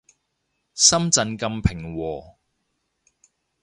深圳咁平和